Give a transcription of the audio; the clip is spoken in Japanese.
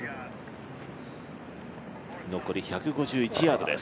残り１５１ヤードです。